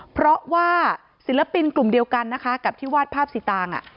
เพราะว่าอาจารย์กลุ่มเดียวกันกับทีวาดภาพสิตาร